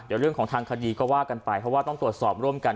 เดี๋ยวเรื่องของทางคดีก็ว่ากันไปเพราะว่าต้องตรวจสอบร่วมกัน